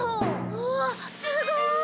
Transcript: うわっすごーい！